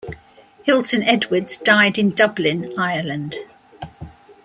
Hilton Edwards died in Dublin, Ireland.